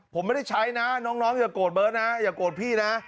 ผมไม่ได้ใช้นะน้องอย่าโกรธเบิร์ตนะอย่าโกรธพี่นะ